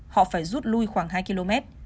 họ phải rút lui khoảng hai km